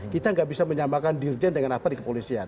kita tidak bisa menyambahkan dirjen dengan apa di kepolisian